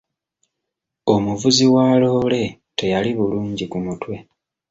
Omuvuzi wa loore teyali bulungi ku mutwe.